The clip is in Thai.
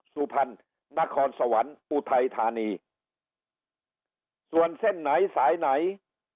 ซุพันธุ์นขอนสวรรค์อุทัยธานีส่วนเส้นไหนสายไหน